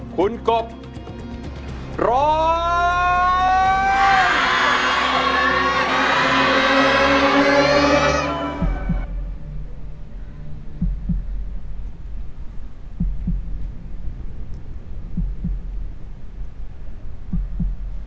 คุณกบร้อง